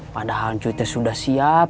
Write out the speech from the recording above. padahal cuy sudah siap